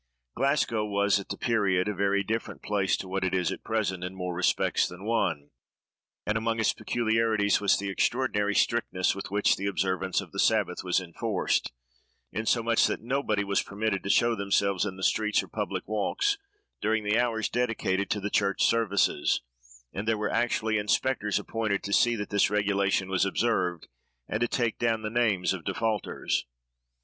Glasgow was, at that period, a very different place to what it is at present, in more respects than one; and, among its peculiarities, was the extraordinary strictness with which the observance of the sabbath was enforced, insomuch, that nobody was permitted to show themselves in the streets or public walks during the hours dedicated to the church services, and there were actually inspectors appointed to see that this regulation was observed, and to take down the names of defaulters.